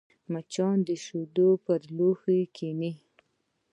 مچان د شیدو پر لوښي کښېني